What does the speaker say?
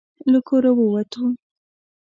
له کوره ووتو.